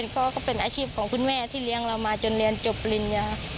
ก็เป็นอาชีพของคุณแม่ที่เลี้ยงเรามาจนเรียนจบปริญญา